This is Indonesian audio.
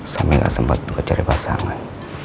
sampe gak sempet kecari pasangan